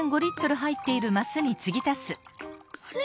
あれ？